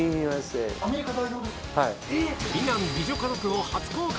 美男美女家族を初公開。